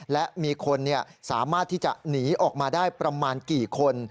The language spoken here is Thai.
และมีคนสามารถที่จะหนีออกมาได้ประมาณกี่คน